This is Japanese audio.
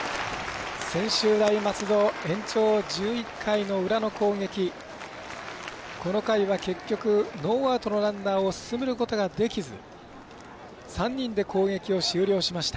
専修大松戸延長１１回の裏の攻撃この回は結局、ノーアウトのランナーを進めることができず３人で攻撃を終了しました。